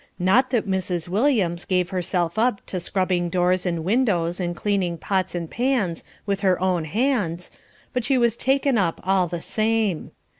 Not that Mrs. Williams gave herself up to scrubbing doors and windows and cleaning pots and pans with her own hands, but she was "taken up" all the same.